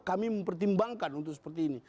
kami mempertimbangkan untuk seperti ini